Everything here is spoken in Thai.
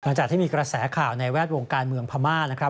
หลังจากที่มีกระแสข่าวในแวดวงการเมืองพม่านะครับ